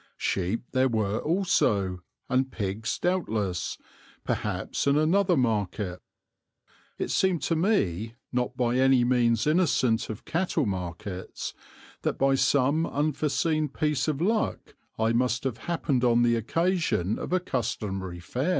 Sheep there were also, and pigs doubtless, perhaps in another market. It seemed to me, not by any means innocent of cattle markets, that by some unforeseen piece of luck I must have happened on the occasion of a customary fair.